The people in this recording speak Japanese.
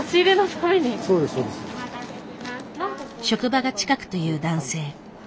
職場が近くという男性。